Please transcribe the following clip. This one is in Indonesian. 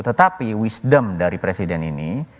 tetapi wisdom dari presiden ini